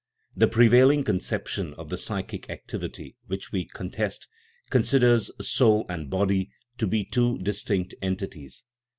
The prevailing conception of the psychic activity, which we contest, considers soul and body to be two distinct entities.